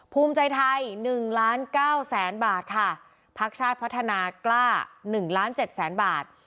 ภูมิใจไทย๑๙๐๐๐๐๐บาทภักดิ์ชาติพัฒนากล้า๑๗๐๐๐๐๐บาท